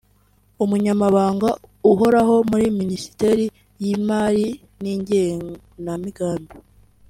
Umunyamabanga uhoraho muri Minisiteri y’imari n’igenamigambi